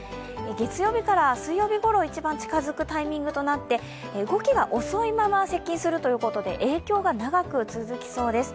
月曜日から水曜日ごろ、一番近づくタイミングとなって動きが遅いまま接近するということで影響が長く続きそうです。